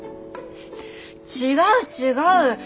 違う違う！